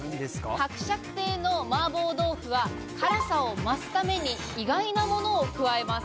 伯爵邸の麻婆豆腐は辛さを増すために、意外なものを加えます。